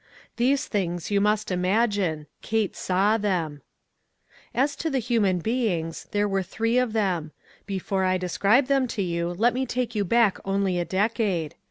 These tilings you must imagine. Kate saw them. 1/ ONE COMMONPLACE DAY. As to the human beings, there were three of them. Before I describe them to you, let me take you back only a decade.